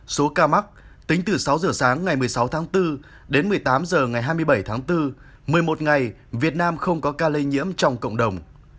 số ca mắc tính từ sáu giờ sáng ngày một mươi sáu tháng bốn đến một mươi tám h ngày hai mươi bảy tháng bốn một mươi một ngày việt nam không có ca lây nhiễm trong cộng đồng